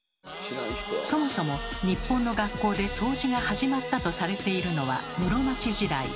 そもそも日本の学校で掃除が始まったとされているのは室町時代。